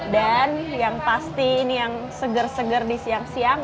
dan yang pasti ini yang seger seger di siang siang